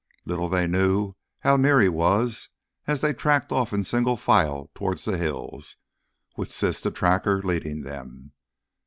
Little they knew how near he was as they tracked off in single file towards the hills, with Siss the Tracker leading them.